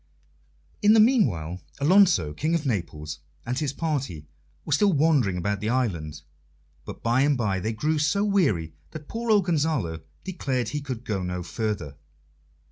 In the meanwhile Alonso, King of Naples, and his party were still wandering about the island; but by and by they grew so weary that poor old Gonzalo declared he could go no further.